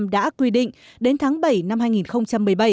đã quy định đến tháng bảy năm hai nghìn một mươi bảy